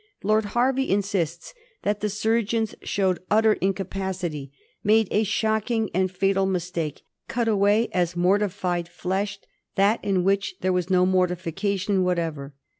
Lord Hervey insists that the surgeons showed utter in capacity, made a shocking and fatal mistake; cut away as mortified flesh that in which there was no mortification whatever.